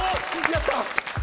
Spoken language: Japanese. やった！